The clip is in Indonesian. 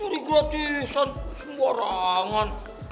nyari gratisan sembarangan